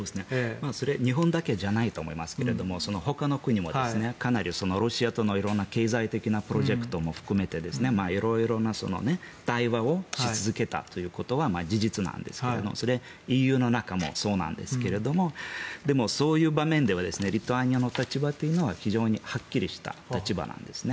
日本だけじゃないと思いますが、ほかの国もかなりロシアとの色んな経済的なプロジェクトも含めて色々な対話をし続けたことは事実なんですがＥＵの中もそうなんですがでも、そういう場面ではリトアニアの立場というのは非常にはっきりした立場なんですね。